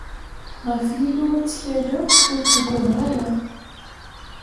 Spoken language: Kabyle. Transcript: Ɣef Yillu i ttkaleɣ, ur ttaggadeɣ ara.